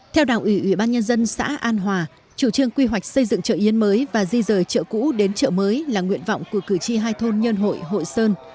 theo đảng ủy ủy ban nhân dân xã an hòa chủ trương quy hoạch xây dựng chợ yến mới và di rời chợ cũ đến chợ mới là nguyện vọng của cử tri hai thôn nhân hội hội sơn